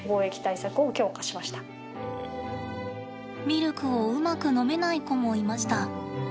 ミルクをうまく飲めない子もいました。